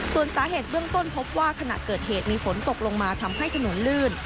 ส่วนสาเหตุเบื้องต้นพบว่าขณะเกิดเหตุมีฝนตกลงมาทำให้ถนนลื่น